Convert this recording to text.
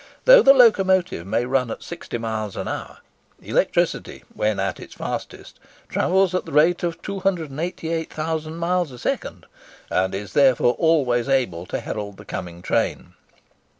Though the locomotive may run at 60 miles an hour, electricity, when at its fastest, travels at the rate of 288,000 miles a second, and is therefore always able to herald the coming train.